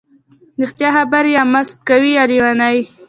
ـ رښتیا خبرې یا مست کوي یا لیوني.